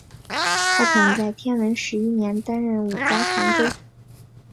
他曾在天文十一年担任武家传奏。